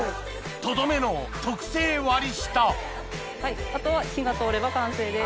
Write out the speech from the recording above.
とどめの特製割下あとは火が通れば完成です。